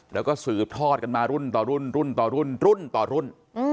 แล้วก็สืบทอดกันมารุ่นต่อรุ่นรุ่นต่อรุ่นรุ่นต่อรุ่น